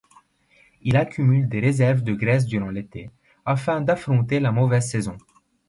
Il accumule des réserves de graisse durant l'été, afin d'affronter la mauvaise saison.